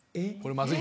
まずい。